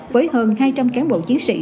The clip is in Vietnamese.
với hơn hai trăm linh cán bộ chiến sĩ